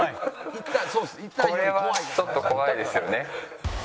これはちょっと怖いですよね。